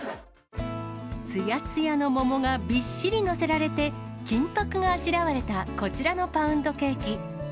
つやつやの桃がびっしり載せられて、金ぱくがあしらわれたこちらのパウンドケーキ。